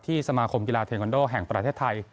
สมาคมกีฬาเทนคอนโดแห่งประเทศไทย